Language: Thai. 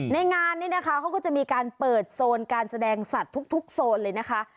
งานนี้นะคะเขาก็จะมีการเปิดโซนการแสดงสัตว์ทุกโซนเลยนะคะ